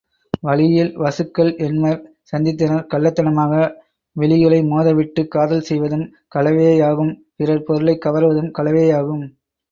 வழியில் வசுக்கள் எண்மர் சந்தித்தனர் கள்ளத்தனமாக விழிகளை மோதவிட்டுக் காதல் செய்வதும் களவேயாகும் பிறர் பொருளைக் கவர்வதும் களவேயாகும்.